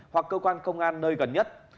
hoặc cơ quan công an nơi gần nhất